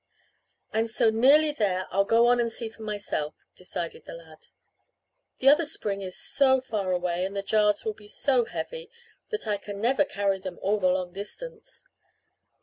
"I'm so nearly there I'll go on and see for myself," decided the lad. "The other spring is so far away and the jars will be so heavy that I can never carry them all the long distance.